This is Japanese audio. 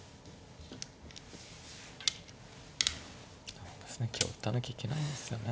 そうですね香を打たなきゃいけないですよね。